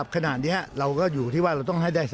ขณะนี้เราก็อยู่ที่ว่าเราต้องให้ได้